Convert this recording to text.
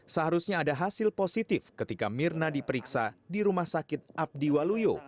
seharusnya ada hasil positif ketika mirna diperiksa di rumah sakit abdi waluyo